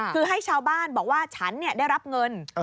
คือให้ชาวบ้านบอกว่าฉันได้รับเงิน